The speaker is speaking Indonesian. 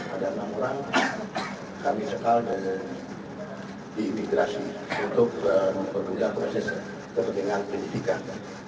ada enam orang kami sekalian diimigrasi untuk berbuka proses kepentingan pendidikan